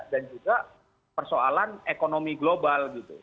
dan juga persoalan ekonomi global gitu